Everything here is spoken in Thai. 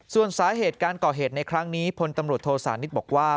ส่วนสาเหตุการก่อเหตุในครั้งนี้พลตำรวจโทษานิทบอกว่า